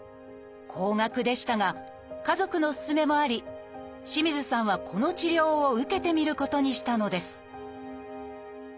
高額でしたが家族の勧めもあり清水さんはこの治療を受けてみることにしたのです「